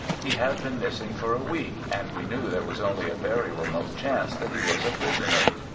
He had been missing for a week, and we knew there was only a very remote chance that he was a prisoner.